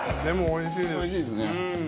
おいしいですね。